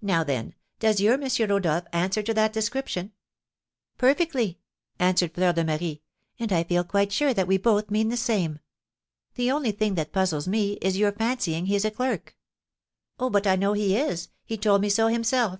Now, then, does your M. Rodolph answer to that description?" "Perfectly," answered Fleur de Marie; "and I feel quite sure that we both mean the same. The only thing that puzzles me is your fancying he is a clerk." "Oh, but I know he is. He told me so himself."